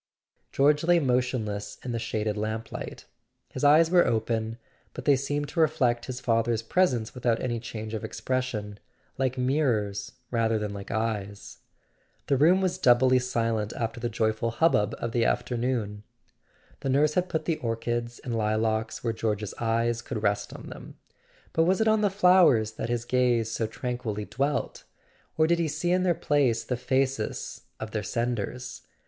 George lay motionless in the shaded lamplight: his eyes were open, but they seemed to reflect his father's presence without any change of expression, like mirrors rather than like eyes. The room was doubly silent after the joyful hubbub of the afternoon. The nurse had put the orchids and lilacs where George's eyes could rest on them. But was it on the flowers that his gaze so tranquilly dwelt? Or did he see in their place the faces of their senders